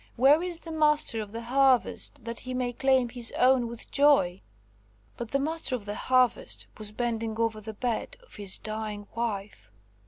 Where is the Master of the Harvest, that he may claim his own with joy?" But the Master of the Harvest was bending over the bed of his dying wife.